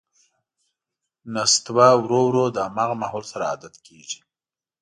نستوه ورو ـ ورو د همغه ماحول سره عادت کېږي.